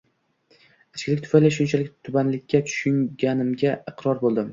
Ichkilik tufayli shunchalik tubanlikka tushganimga iqror bo`ldim